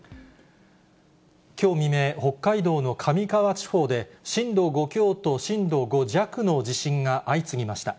きょう未明、北海道の上川地方で、震度５強と震度５弱の地震が相次ぎました。